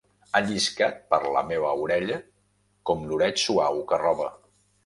Ha lliscat per la meua orella com l’oreig suau que roba.